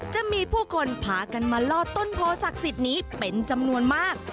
จะมีผู้คนพากันมาลอดต้นโพศักดิ์สิทธิ์นี้เป็นจำนวนมาก